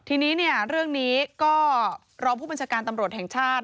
ทีนี้เนี่ยเรื่องนี้ก็รองผู้บัญชาการตำรวจแห่งชาติ